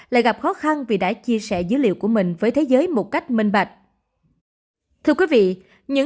lại gặp khó khăn vì đã chia sẻ dữ liệu của mình với thế giới một cách minh bạch